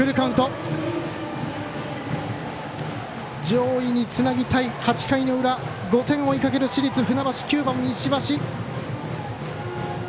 上位につなぎたい８回の裏５点を追いかける市立船橋９番の石橋。